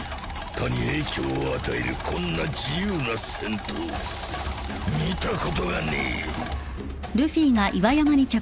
他に影響を与えるこんな自由な戦闘見たことがねえ！